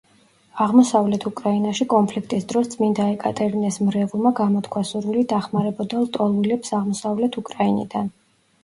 აღმოსავლეთ უკრაინაში კონფლიქტის დროს წმინდა ეკატერინეს მრევლმა გამოთქვა სურვილი დახმარებოდა ლტოლვილებს აღმოსავლეთ უკრაინიდან.